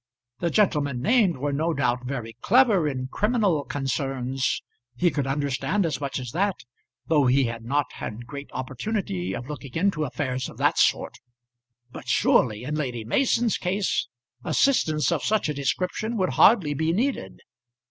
The gentlemen named were no doubt very clever in criminal concerns; he could understand as much as that, though he had not had great opportunity of looking into affairs of that sort. But surely, in Lady Mason's case, assistance of such a description would hardly be needed.